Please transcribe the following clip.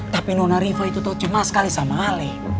tapi nona rifah itu tuh cemas sekali sama ale